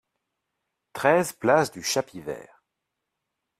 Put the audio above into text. treize place du Champivert